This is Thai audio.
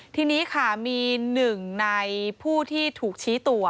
ทีนี้ค่ะมีหนึ่งในผู้ที่ถูกชี้ตัว